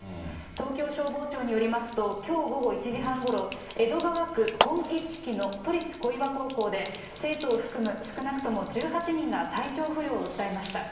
東京消防庁によりますと、きょう午後１時半ごろ、江戸川区ほんいっしきの都立こいわ高校で、生徒を含む少なくとも１８人が体調不良を訴えました。